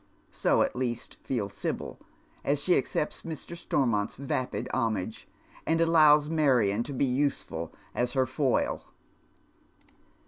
So, at least, feels Sibyl as she accepts Mr. Stormont's vapid homage, and allows" Marion to be useful as her foil.